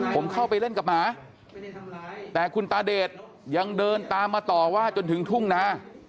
ผมเข้าไปเล่นกับหมาแต่คุณตาเดชยังเดินตามมาต่อว่าจนถึงทุ่งนา